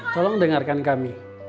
tolong dengarkan kami